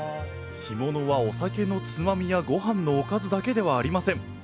干物はお酒のつまみやごはんのおかずだけではありません！